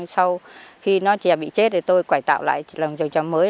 sau khi nó trè bị chết thì tôi quảy tạo lại trồng trè mới